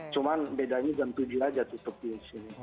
cuman bedanya jam tujuh aja tutup di sini